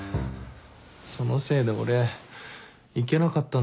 そのせいで俺行けなかったんだから。